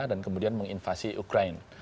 dan kemudian menginvasi ukraina